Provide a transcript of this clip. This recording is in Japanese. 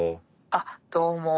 あっどうも。